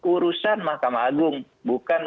urusan mahkamah agung bukan